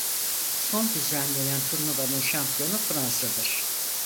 Son düzenlenen turnuvanın şampiyonu Fransa'dır.